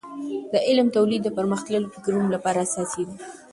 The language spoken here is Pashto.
د علم تولید د پرمختللیو فکرونو لپاره اساسي ده.